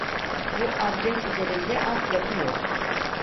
Bu adres üzerinde alt yapı yok